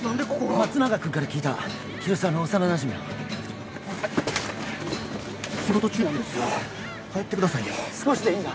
松永君から聞いた広沢の幼なじみの仕事中なんです帰ってくださいよ少しでいいんだ